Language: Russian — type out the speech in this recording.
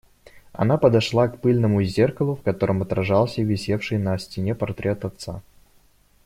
Она подошла к пыльному зеркалу, в котором отражался висевший на стене портрет отца.